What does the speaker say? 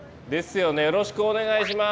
よろしくお願いします。